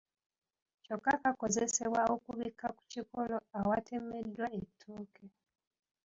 Kyokka kakozesebwa okubikka ku kikolo awatemeddwa ettooke.